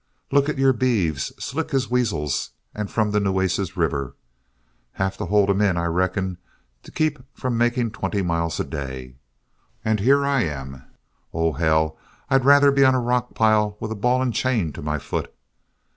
Look at your beeves, slick as weasels, and from the Nueces River. Have to hold them in, I reckon, to keep from making twenty miles a day. And here I am Oh, hell, I'd rather be on a rock pile with a ball and chain to my foot!